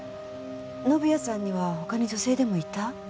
宣也さんには他に女性でもいた？